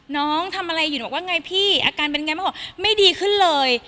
น้องทำอะไรอยู่บอกว่าไงพี่อาการเป็นไงแม่บอกไม่ดีขึ้นเลย